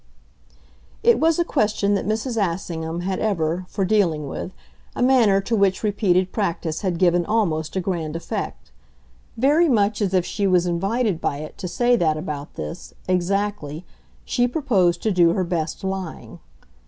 It was a question that Mrs. Assingham had ever, for dealing with, a manner to which repeated practice had given almost a grand effect; very much as if she was invited by it to say that about this, exactly, she proposed to do her best lying.